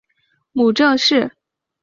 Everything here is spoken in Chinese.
母郑氏。